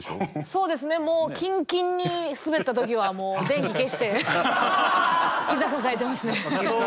そうですねもうキンキンにスベった時は電気消して膝抱えてますね。